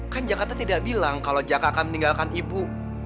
kan jakata tidak bilang kalau jaka akan meninggalkan ibu